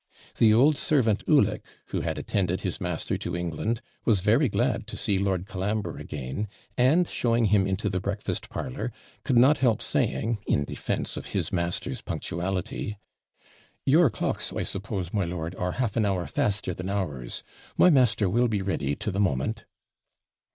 The old servant Ulick, who had attended his master to England, was very glad to see Lord Colambre again, and, showing him into the breakfast parlour, could not help saying, in defence of his master's punctuality 'Your clocks, I suppose, my lord, are half an hour faster than ours; my master will be ready to the moment.'